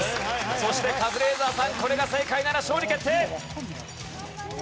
そしてカズレーザーさんこれが正解なら勝利決定！